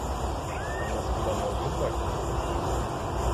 А в нас хіба не один батько був?